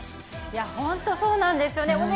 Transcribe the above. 本当、そうなんですよね。